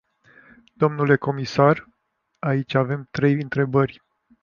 Dle comisar, aici avem trei întrebări.